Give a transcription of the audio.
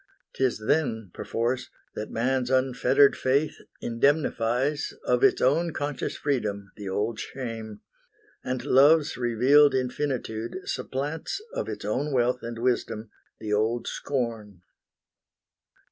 'T is then, perforce, That man's unfettered faith indemnifies Of its own conscious freedom the old shame, And love's revealed infinitude supplants Of its own wealth and wisdom the old scorn.